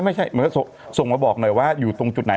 ไม่ส่งมาบอกหน่อยว่าอยู่ตรงจุดไหน